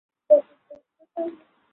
চল করে ফেলি।